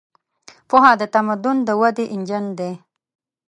پوهه د تمدن د ودې انجن دی.